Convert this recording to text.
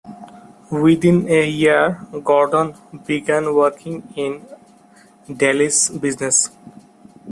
Within a year, Gordon began working in Daly's business.